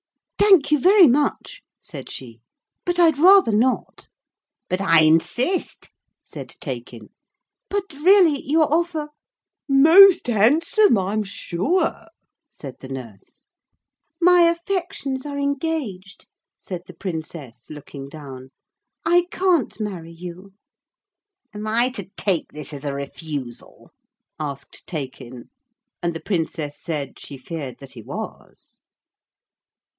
'Thank you very much,' said she, 'but I'd rather not.' 'But I insist,' said Taykin. 'But really, your offer....' 'Most handsome, I'm sure,' said the nurse. 'My affections are engaged,' said the Princess, looking down. 'I can't marry you.' 'Am I to take this as a refusal?' asked Taykin; and the Princess said she feared that he was.